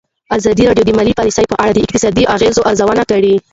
ازادي راډیو د مالي پالیسي په اړه د اقتصادي اغېزو ارزونه کړې.